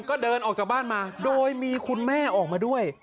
ก็เดินออกจากบ้านมาโดยมีคุณแม่ออกมาด้วย